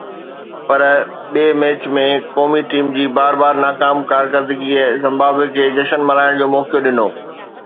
پر ٻئي ميچ ۾ قومي ٽيم جي بار بار ناڪام ڪارڪردگيءَ زمبابوي کي جشن ملهائڻ جو موقعو ڏنو.